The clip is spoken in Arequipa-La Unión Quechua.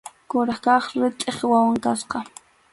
Kuraq kaq ritʼip wawan kasqa.